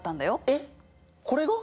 えっこれが！？